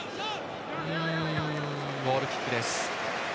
ゴールキックです。